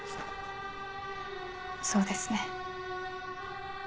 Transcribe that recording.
そうですね。